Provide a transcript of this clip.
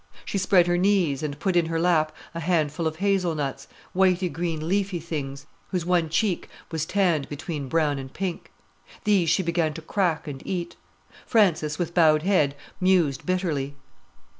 She spread her knees, and put in her lap a handful of hazel nuts, whity green leafy things, whose one cheek was tanned between brown and pink. These she began to crack and eat. Frances, with bowed head, mused bitterly.